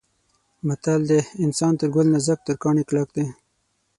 متل دی: انسان تر ګل نازک تر کاڼي کلک دی.